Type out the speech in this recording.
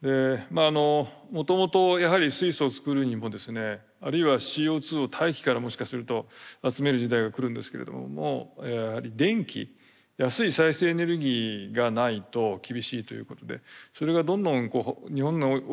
あのもともとやはり水素を作るにもですねあるいはＣＯを大気からもしかすると集める時代が来るんですけれどもやはり電気安い再生エネルギーがないと厳しいということでそれがどんどん日本においてもですね